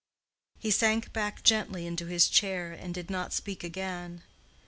He sank back gently into his chair, and did not speak again.